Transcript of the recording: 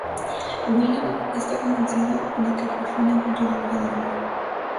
William está convencido de que por fin ha encontrado el Verdadero Amor.